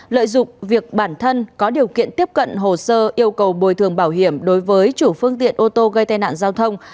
lợi dụng việc bản thân có điều kiện tiếp cận hồ sơ yêu cầu bồi thường bảo hiểm đối với chủ phương tiện ô tô gây tai nạn giao thông